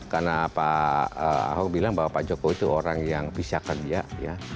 karena pak ahok bilang bahwa pak jokowi itu orang yang bisa kerja ya